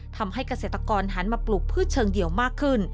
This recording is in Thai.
ทำให้เกษตรกรหันมาปลูกพืชเชิงเดี่ยวมากขึ้น